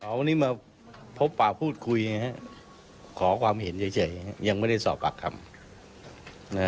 วันนี้มาพบปากพูดคุยขอความเห็นเฉยยังไม่ได้สอบปากคำ